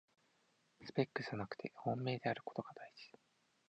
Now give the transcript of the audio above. スペックじゃなくて本命であることがだいじ